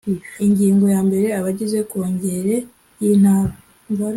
ingingo ya mbere abagize kongere y intara